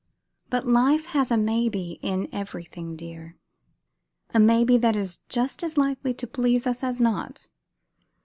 But life has a 'maybe' in everything dear; a maybe that is just as likely to please us as not."